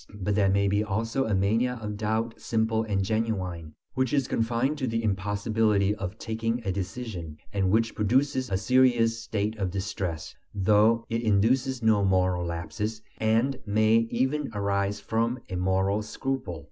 But there may also be a mania of doubt simple and genuine, which is confined to the impossibility of taking a decision, and which produces a serious state of distress, though it induces no moral lapses, and may even arise from a moral scruple.